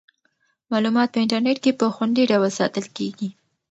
معلومات په انټرنیټ کې په خوندي ډول ساتل کیږي.